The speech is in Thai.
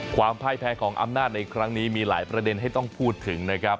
พ่ายแพ้ของอำนาจในครั้งนี้มีหลายประเด็นให้ต้องพูดถึงนะครับ